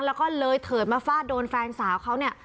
แล้วก็เลยเถิดมาฟาดโดนแฟนสาวเขาเนี่ย